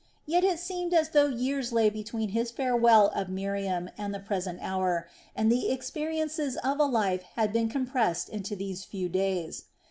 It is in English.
Yet it seemed as though years lay between his farewell of Miriam and the present hour, and the experiences of a life had been compressed into these few days.